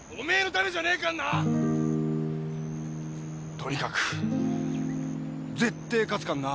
とにかく絶対勝つかんな。